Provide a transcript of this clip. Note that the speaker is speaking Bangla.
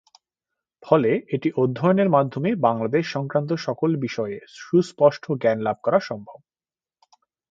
ফলে এটি অধ্যয়নের মাধ্যমে বাংলাদেশ সংক্রান্ত সকল বিষয়ে সুস্পষ্ট জ্ঞান লাভ করা সম্ভব।